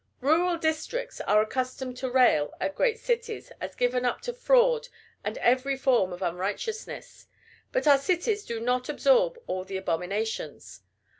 Rural districts are accustomed to rail at great cities as given up to fraud and every form of unrighteousness; but our cities do not absorb all the abominations.